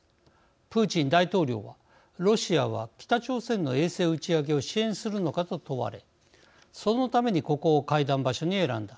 プーチン大統領はロシアは北朝鮮の衛星打ち上げを支援するのかと問われ「そのためにここを会談場所に選んだ。